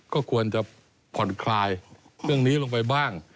ก็ควรจะผ่อนคลายเรื่องนี้ลงไปบ้าง